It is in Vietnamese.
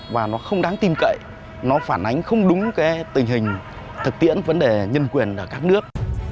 và nó không đáng tin cậy nó phản ánh không đúng cái tình hình thực tiễn vấn đề nhân quyền ở các nước